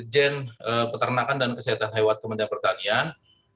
jen peternakan dan kesehatan hewat kemendak pertanian